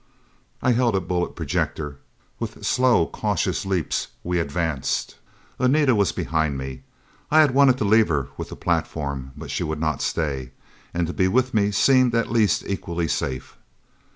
I held a bullet projector. With slow, cautious leaps, we advanced. Anita was behind me. I had wanted to leave her with the platform, but she would not stay. And to be with me seemed at least equally safe.